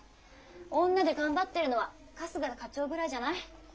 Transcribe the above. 女で頑張ってるのは春日課長ぐらいじゃない？